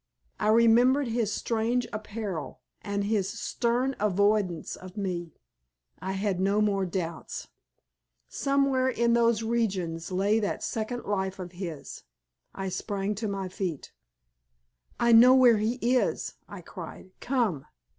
I remembered his strange apparel and his stern avoidance of me. I had no more doubts. Somewhere in those regions lay that second life of his. I sprang to my feet. "I know where he is," I cried. "Come!"